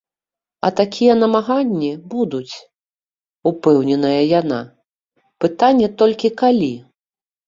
А такія намаганні будуць, упэўненая яна, пытанне толькі, калі.